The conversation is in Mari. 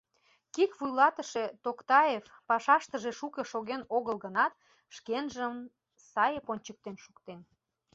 КИК вуйлатыше Токтаев пашаштыже шуко шоген огыл гынат, шкенжым «сайып» ончыктен шуктен.